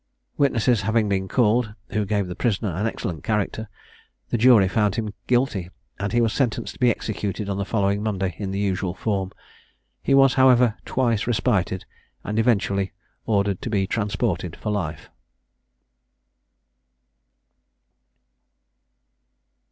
Witnesses having been called, who gave the prisoner an excellent character, the jury found him guilty, and he was sentenced to be executed on the following Monday in the usual form. He was, however, twice respited, and eventually ordered to be transported for life.